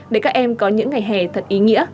để các em có những ngày hè thật ý nghĩa